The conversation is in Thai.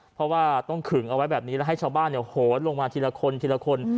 เพราะว่าต้องขึงเอาไว้แบบนี้แล้วให้ชาวบ้านโหนลงมาทีละคนทีละคน